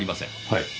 はい。